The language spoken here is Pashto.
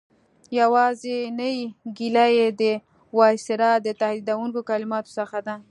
یوازینۍ ګیله یې د وایسرا د تهدیدوونکو کلماتو څخه ده.